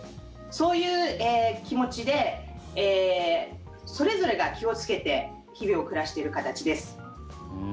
そういう気持ちでそれぞれが気をつけて日々を暮らしている形です。